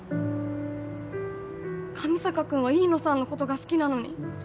上坂君は飯野さんのことが好きなのに。